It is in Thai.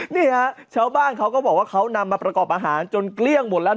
นี่ฮะชาวบ้านเขาก็บอกว่าเขานำมาประกอบอาหารจนเกลี้ยงหมดแล้ว